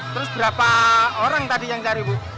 masa sama keluarga